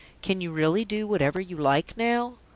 "Can you really do whatever you like now?"